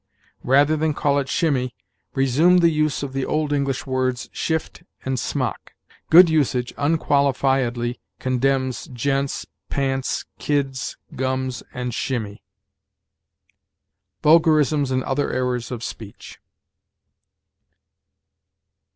Rather than call it shimmy, resume the use of the old English words shift and smock. Good usage unqualifiedly condemns gents, pants, kids, gums, and shimmy." "Vulgarisms and Other Errors of Speech."